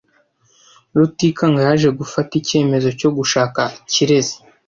Rutikanga yaje gufata icyemezo cyo gushaka Kirezi .